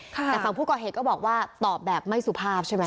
แต่ฝั่งผู้ก่อเหตุก็บอกว่าตอบแบบไม่สุภาพใช่ไหม